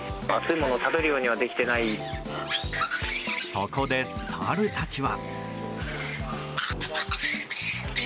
そこでサルたちは。